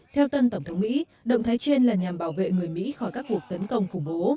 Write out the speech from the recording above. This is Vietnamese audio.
theo tân tổng thống mỹ động thái trên là nhằm bảo vệ người mỹ khỏi các cuộc tấn công khủng bố